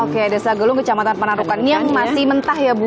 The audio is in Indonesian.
oke desa gelung kecamatan penarukan ini yang masih mentah ya bu